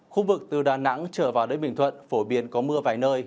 khu vực từ đà nẵng trở vào đến bình thuận phổ biến có mưa vài nơi